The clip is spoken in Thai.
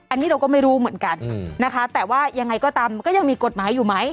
อันนี้เราก็ไม่รู้เหมือนกันนะคะแต่ว่ายังไงก็ตามมันก็ยังมีกฎหมายอยู่ไหม